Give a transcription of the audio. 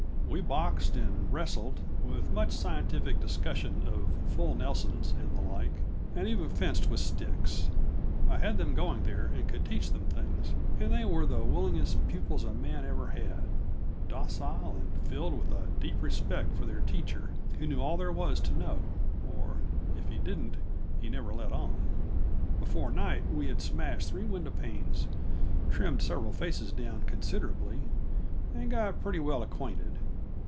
We boxed and wrestled, with much scientific discussion of "full Nelsons" and the like, and even fenced with sticks. I had them going there, and could teach them things; and they were the willingest pupils a man ever had docile and filled with a deep respect for their teacher who knew all there was to know or, if he didn't, he never let on. Before night we had smashed three window panes, trimmed several faces down considerably, and got pretty well acquainted.